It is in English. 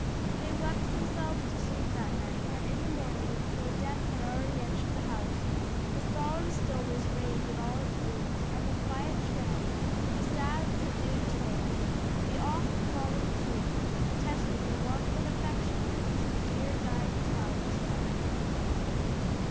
They wept themselves to sleep that night, and in the morning it was as though death had already entered the house; a solemn stillness reigned in all its rooms, and the quiet tread, the sad, subdued tones, the oft falling tear, attested the warmth of affection in which the dear, dying child was held.